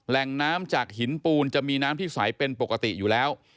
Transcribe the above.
แหล่งน้ำจากหินปูนจะมีน้ำที่ใสเป็นปกติอยู่แล้ว